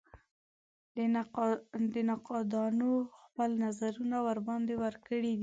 نقادانو خپل نظرونه ورباندې ورکړي دي.